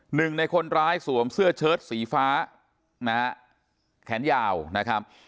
หนึ่งในคนร้ายสวมเสื้อเชิดสีฟ้านะฮะแขนยาวนะครับ